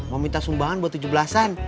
mau minta sumbangan buat tujuh belas an